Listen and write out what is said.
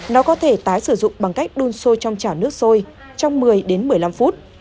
nó có thể tái sử dụng bằng cách đun sôi trong chảo nước sôi trong một mươi đến một mươi năm phút